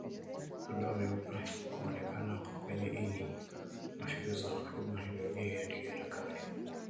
Madoa meupe huonekana kwenye ini na figo za mfugo ni dalili ya Ndigana Kali